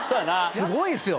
すごいですよ！